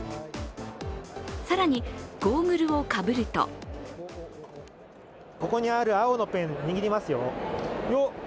更に、ゴーグルをかぶるとここにある青のペン、握りますよ。